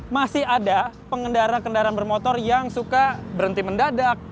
masih ada pengendara kendaraan bermotor yang suka berhenti mendadak